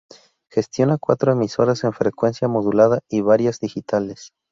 Gestiona cuatro emisoras en frecuencia modulada y varias digitales.